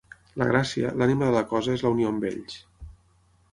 La gràcia, l’ànima de la cosa és la unió amb ells.